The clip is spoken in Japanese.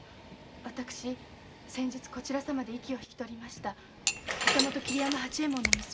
私先日こちら様で息をひきとりました旗本・桐山八右衛門の娘